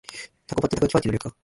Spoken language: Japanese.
タコパってたこ焼きパーティーの略か